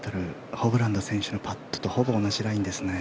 ホブラン選手のパットとほぼ同じラインですね。